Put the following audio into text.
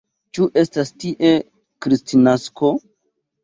Ĉu estas tie Kristnasko?